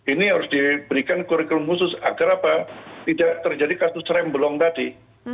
ini harus diberikan kurikulum khusus agar apa tidak terjadi kasus remblong tadi